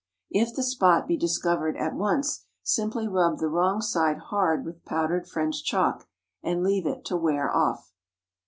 If the spot be discovered at once, simply rub the wrong side hard with powdered French chalk, and leave it to wear off.